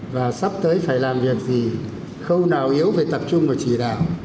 và sắp tới phải làm việc gì khâu nào yếu phải tập trung và chỉ đạo